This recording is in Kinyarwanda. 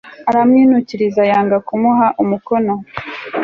aramwinukiriza yanga kumuha umukono